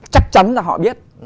chắc chắn là họ biết